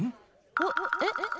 おっえっ？